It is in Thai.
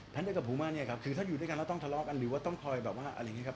ได้กับผมมาเนี่ยครับคือถ้าอยู่ด้วยกันแล้วต้องทะเลาะกันหรือว่าต้องคอยแบบว่าอะไรอย่างนี้ครับ